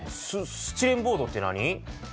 スチレンボードって何？